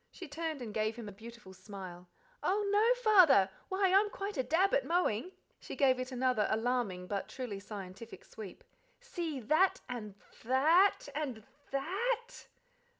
She turned and gave him a beautiful smile. "Oh, no, Father! why, I'm quite a dab at mowing." She gave it another alarming but truly scientific sweep. "See that and th a at and tha a a at!"